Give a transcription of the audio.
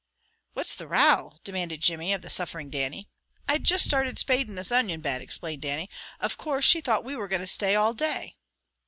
"What's the row?" demanded Jimmy of the suffering Dannie. "I'd juist started spadin' this onion bed," explained Dannie. "Of course, she thought we were going to stay all day."